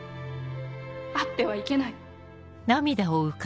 あってはいけない。